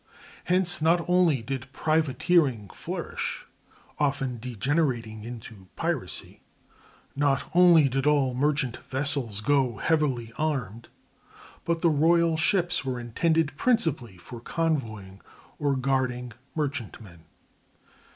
Hence not only did privateering flourish,—often degenerating into piracy,—not only did all merchant vessels go heavily armed, but the royal ships were intended principally for convoying or guarding merchantmen.